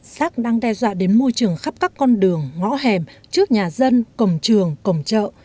rác đang đe dọa đến môi trường khắp các con đường ngõ hẻm trước nhà dân cổng trường cổng chợ